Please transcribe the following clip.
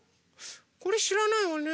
これしらないわね。